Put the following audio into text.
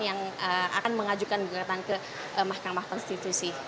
yang akan mengajukan gugatan ke mahkamah konstitusi